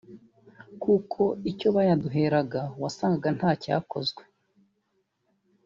kuko icyo bayaduheraga wasangaga ntacyakozwe